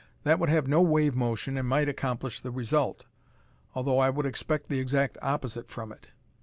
"That would have no wave motion and might accomplish the result, although I would expect the exact opposite from it.